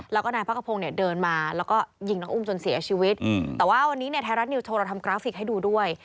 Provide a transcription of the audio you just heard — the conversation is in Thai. แล้วก็นายพระกระพงศ์เนี่ยเดินมาแล้วก็ยิงน้องอุ้มจนเสียชีวิตแต่ว่าวันนี้เนี่ยไทยรัฐนิวโชว์เราทำกราฟิกให้ดูด้วย